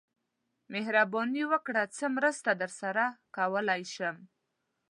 مهرباني وکړئ څه مرسته درسره کولای شم